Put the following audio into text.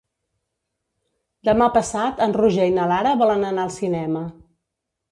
Demà passat en Roger i na Lara volen anar al cinema.